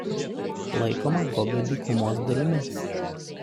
Laikoma Gobio dykumos dalimi.